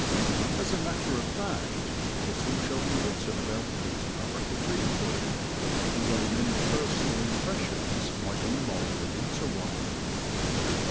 As a matter of fact, little shall be written about Peterborough Cathedral, although many personal impressions might be moulded into one.